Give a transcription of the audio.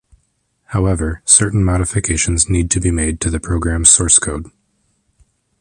However, certain modifications need to be made to the program's source code.